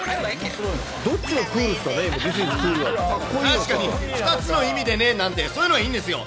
確かに２つの意味でねなんて、そういうのはいいんですよ。